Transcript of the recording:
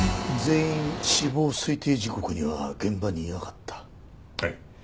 全員死亡推定時刻には現場にいなかった。